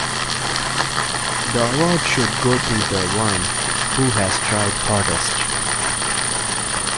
The award should go to the one who has tried hardest.